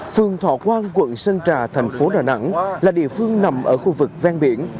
phường thọ quang quận sơn trà thành phố đà nẵng là địa phương nằm ở khu vực ven biển